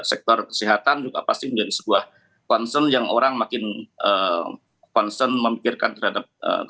sektor kesehatan juga pasti menjadi sebuah concern yang orang makin concern memikirkan terhadap